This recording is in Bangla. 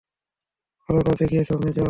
ভাল কাজ দেখিয়েছ, মেজর।